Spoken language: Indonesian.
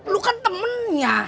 lu kan temennya